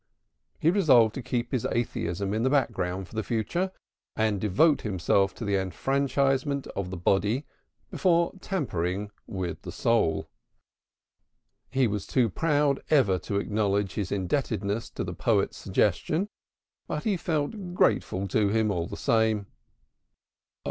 He resolved to keep his atheism in the background for the future and devote himself to the enfranchisement of the body before tampering with the soul. He was too proud ever to acknowledge his indebtedness to the poet's suggestion, but he felt grateful to him all the same.